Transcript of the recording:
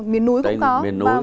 miền núi cũng có